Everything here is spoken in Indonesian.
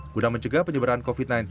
guna mencegah penyebaran covid sembilan belas